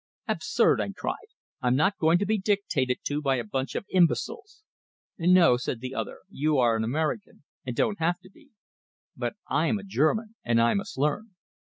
"Absurd!" I cried. "I'm not going to be dictated to by a bunch of imbeciles!" "No," said the other, "you are an American, and don't have to be. But I am a German, and I must learn."